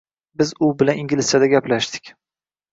— Biz u bilan inglizchada gaplashdik.